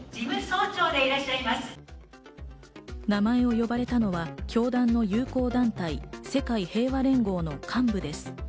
名前を呼ばれたのは教団の友好団体、世界平和連合の幹部です。